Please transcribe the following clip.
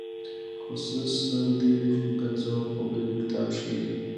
خو څه سر دې ګرځوم خبرې د کتاب ښې دي.